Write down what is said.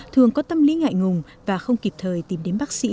thường có tâm lý ngại ngùng và không kịp thời tìm đến bác sĩ